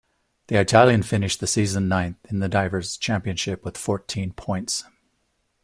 The Italian finished the season ninth in the Divers' Championship with fourteen points.